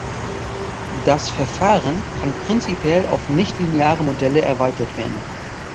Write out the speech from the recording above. Das Verfahren kann prinzipiell auf nichtlineare Modelle erweitert werden.